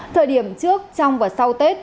thời điểm trước trong và sau tết